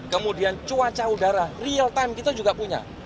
kemudian cuaca udara real time kita juga punya